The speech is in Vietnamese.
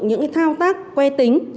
những cái thao tác quê tính